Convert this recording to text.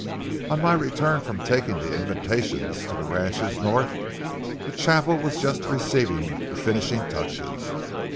On my return from taking the invitations to the ranches north, the chapel was just receiving the finishing touches.